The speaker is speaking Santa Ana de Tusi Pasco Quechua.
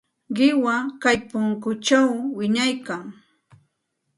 Qiwa kay punkućhaw wiñaykan.